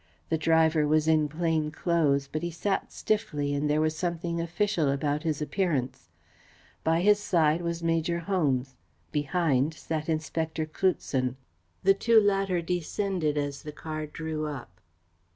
The driver was in plain clothes, but he sat stiffly and there was something official about his appearance. By his side was Major Holmes. Behind sat Inspector Cloutson. The two latter descended as the car drew up.